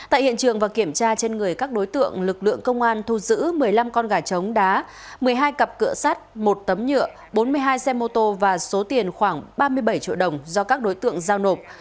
tại hiện trường và kiểm tra trên người các đối tượng lực lượng công an thu giữ một mươi năm con gà trống đá một mươi hai cặp cửa sắt một tấm nhựa bốn mươi hai xe mô tô và số tiền khoảng ba mươi bảy triệu đồng do các đối tượng giao nộp